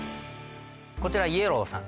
こちらイエローさん